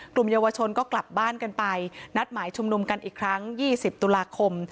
กลุ่มเยาวชนก็กลับบ้านกันไปนัดหมายชุมนุมกันอีกครั้ง๒๐ตุลาคม